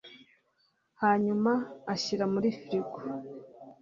hanyuma ashyira muri firigo